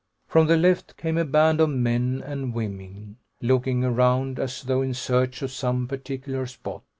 From the left came a band of men and women, looking around as though in search of some particular spot.